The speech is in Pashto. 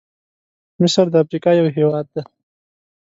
مصرد افریقا یو هېواد دی.